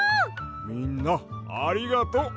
みんなありがとう！